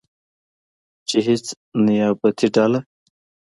چې هیڅ نیابتي ډله